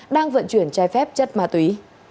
đang vận chuyển chai phép chất ma túy